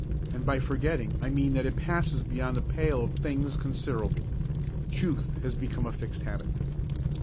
And by forgetting I mean that it passes beyond the pale of things considerable. Truth has become a fixed habit.